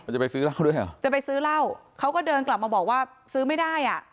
จะไปซื้อเหล้าด้วยเหรอจะไปซื้อเหล้าเขาก็เดินกลับมาบอกว่าซื้อไม่ได้อ่ะ